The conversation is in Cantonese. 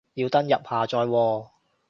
要登入下載喎